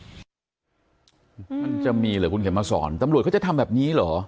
มันจะมีเหรอคุณเข็มมาสอนตำรวจเขาจะทำแบบนี้เหรอ